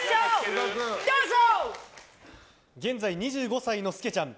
現在、２５歳のスケちゃん。